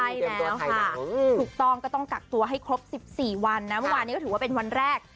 ใช่แล้วค่ะถูกต้องก็ต้องกักตัวให้ครบ๑๔วันนะเมื่อวานนี้ก็ถือว่าเป็นวันแรก